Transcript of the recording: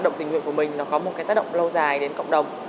động tình nguyện của mình nó có một cái tác động lâu dài đến cộng đồng